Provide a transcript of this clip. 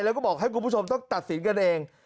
แล้วก็บอกให้คุณผู้ชมต้องตัดสินกันเอง